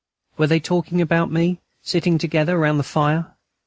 Were they talking about me, sitting together round the fire?